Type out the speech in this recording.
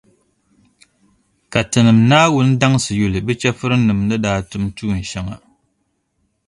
Ka Tinim’ Naawuni daŋsi yuli bɛ chεfurnima ni daa tum tuun’ shɛŋa.